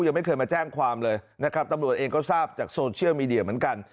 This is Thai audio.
ยังไม่เคยมาแจ้งความเลยนะครับตำรวจเองก็ทราบจากโซเชียลมีเดียเหมือนกัน